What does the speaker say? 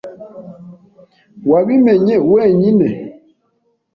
Wabimenye wenyine?